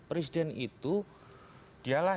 presiden itu dialah